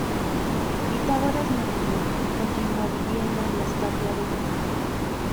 Pitágoras no murió: continuó viviendo en la estatua de Juno.